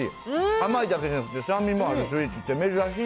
甘いだけじゃなくて酸味もあるスイーツって珍しい。